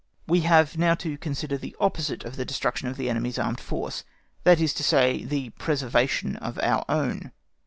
We have now to consider the opposite of the destruction of the enemy's armed force, that is to say, the preservation of our own.